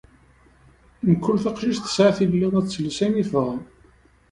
Mkul taqcict tesɛa tilelli ad tles ayen i tebɣa